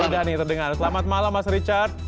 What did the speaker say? sudah nih terdengar selamat malam mas richard